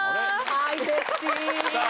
はいセクシー！